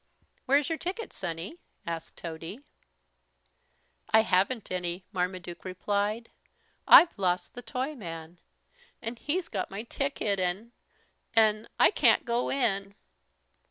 "Where's your ticket, Sonny?" asked Tody. "I haven't any," Marmaduke explained. "I've lost the Toyman and he's got my ticket an' an' I can't go in."